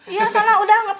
iya sana udah ngepel